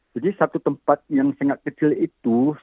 jadi satu tempat yang sangat kecil itu